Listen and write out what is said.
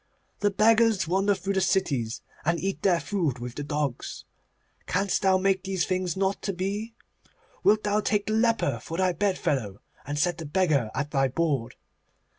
The beggars wander through the cities, and eat their food with the dogs. Canst thou make these things not to be? Wilt thou take the leper for thy bedfellow, and set the beggar at thy board?